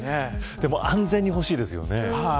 でも、安全に欲しいですよね。